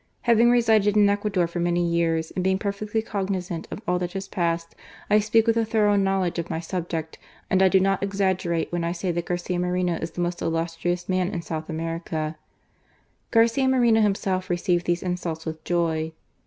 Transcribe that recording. Ha\'ing resided in Ecnador for many years, and being per fectly cognizant of all that has passed, I speak with a thorough knowledge of my subject, and I do not exaggerate when I say that Garcia Moreno is the most illustrious man in South America," Garcia Moreno himself received these insults with jo}